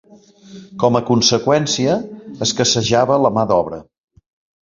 Com a conseqüència, escassejava la mà d'obra.